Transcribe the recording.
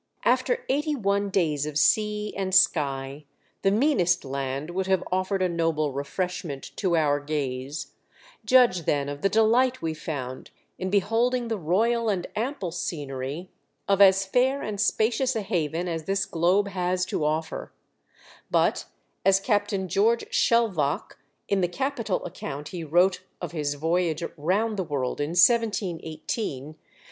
After eighty one days of sea and sky the meanest land would have offered a noble refreshment to our gaze ; judge then of the delight we found in beholding the royal and ample scenery of as fair and spacious a haven as this globe has to ofTer, But as Captain George Shelvocke, in the capital account he wrote of his voyage round the world in 171 8, 30 THE DEATH SHIP.